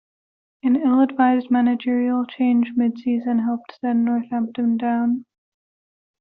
An ill-advised managerial change mid-season helped send Northampton down.